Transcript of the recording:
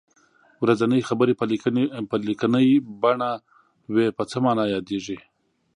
ورځنۍ خبرې په لیکنۍ بڼه وي په څه نامه یادیږي.